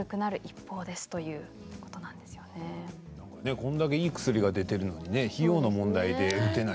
これだけいい薬が出ているのに費用の問題で打てない。